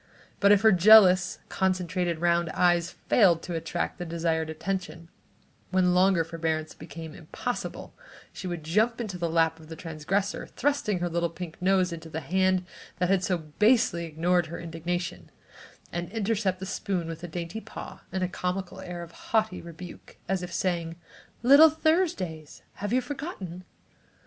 But if her jealous, concentrated round eyes failed to attract the desired attention, when longer forbearance became impossible, she would jump to the lap of the transgressor, thrusting her little pink nose into the hand that had so basely ignored her indignation, and intercept the spoon with a dainty paw and a comical air of haughty rebuke, as if saying: "Little Thursday's! Have you forgotten?"